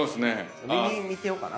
右見てようかな。